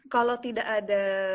kalau tidak ada